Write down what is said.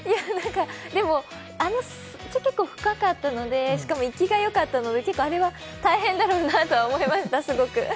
でも、結構深かったので、しかもいきがよかったので結構あれは大変だろうなとは思いました、すごく。